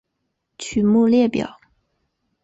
曲目列表